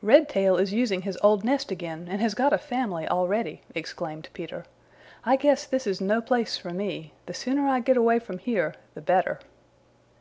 "Redtail is using his old nest again and has got a family already," exclaimed Peter. "I guess this is no place for me. The sooner I get away from here the better."